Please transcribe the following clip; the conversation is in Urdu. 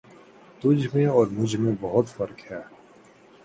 تجھ میں اور مجھ میں بہت فرق ہے